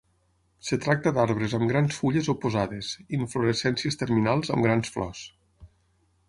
Es tracta d'arbres amb grans fulles oposades, inflorescències terminals amb grans flors.